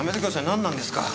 なんなんですか？